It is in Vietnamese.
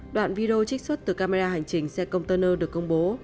đoạn video trích xuất từ camera hành trình xe công turner được công bố